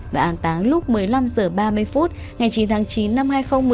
và an táng lúc một mươi năm h ba mươi phút ngày chín tháng chín năm hai nghìn một mươi